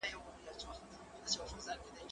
زه اجازه لرم چي واښه راوړم!.